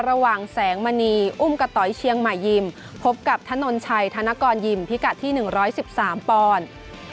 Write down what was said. ระหว่างแสงมณีอุ้มกระต๋อยเชียงใหม่ยิมพบกับถนนชัยธนกรยิมพิกัดที่๑๑๓ปอนด์